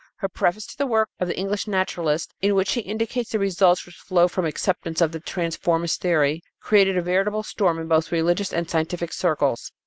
Her preface to the work of the English naturalist, in which she indicates the results which flow from an acceptance of the transformist theory, created a veritable storm in both religious and scientific circles.